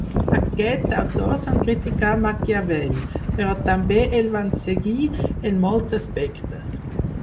Aquests autors van criticar Maquiavel, però també el van seguir en molts aspectes.